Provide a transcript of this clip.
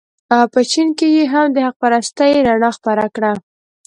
په چین کې یې هم د حق پرستۍ رڼا خپره کړه.